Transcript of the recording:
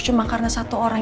cuma karena satu orang